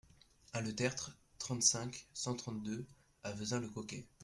un le Tertre, trente-cinq, cent trente-deux à Vezin-le-Coquet